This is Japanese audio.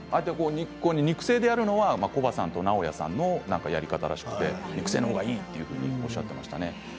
肉声でやるのはコバさんとナオヤさんのやり方らしくて肉声の方がいいとおっしゃってましたね。